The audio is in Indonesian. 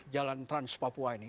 jalan trans papua ini